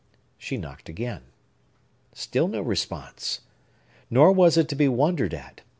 She knocked again. Still no response! Nor was it to be wondered at.